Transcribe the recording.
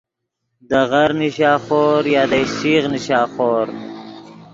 دے غر نیشا خور یا دے اِشچیغ نیشا خور